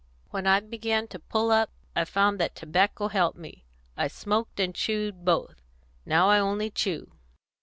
When I began to pull up I found that tobacco helped me; I smoked and chewed both; now I only chew.